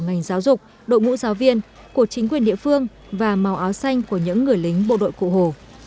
ngành giáo dục đội ngũ giáo viên của chính quyền địa phương và màu áo xanh của những người lính bộ đội cụ hồ